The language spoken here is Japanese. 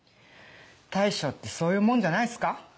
大将ってそういうもんじゃないっすか？